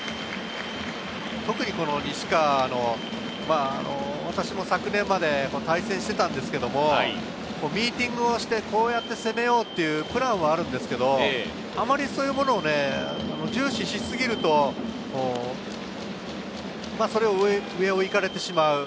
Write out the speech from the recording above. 特に西川の、私も昨年まで対戦していたんですけれど、ミーティングをして、こうやって攻めようというプランはあるんですけれど、あまりそれを重視しすぎると、上を行かれてしまう。